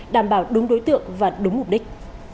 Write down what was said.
đảm bảo đúng đối tượng và đúng mục đích